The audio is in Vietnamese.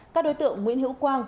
các đối tượng nguyễn hữu quang